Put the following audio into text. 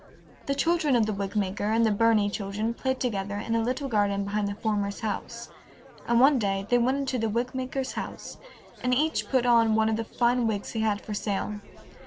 The children of the wig maker and the Burney children played together in a little garden behind the former's house, and one day they went into the wig maker's house, and each put on one of the fine wigs he had for sale.